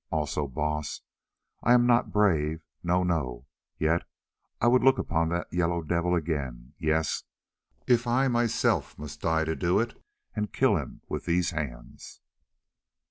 Also, Baas, I am not brave, no, no, yet I would look upon that Yellow Devil again, yes, if I myself must die to do it, and kill him with these hands."